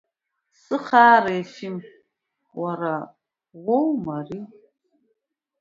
Сыхаара Ефим, уара, уара уоума ари?!